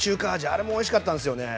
あれもおいしかったんですよね。